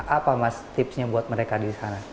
apa mas tipsnya buat mereka disana